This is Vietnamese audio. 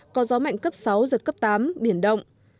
có gió mạnh cấp sáu giật cấp tám biển động